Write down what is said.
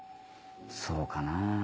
そうかなぁ。